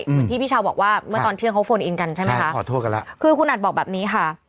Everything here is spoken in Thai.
เหมือนที่พี่ชาวบอกว่าเมื่อตอนเที่ยงเขาโฟนอินกันใช่ไหมค่ะคือคุณอัจบอกแบบนี้ค่ะ